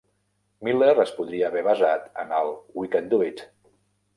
Miller es podria haver basat en el "We Can Do It!"